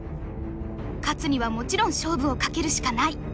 勝つにはもちろん勝負をかけるしかない！